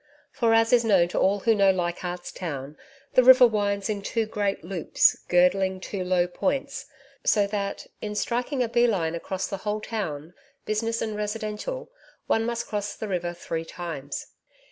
For, as is known to all who know Leichardt's Town, the river winds in two great loops girdling two low points, so that, in striking a bee line across the whole town, business and residential, one must cross the river three times.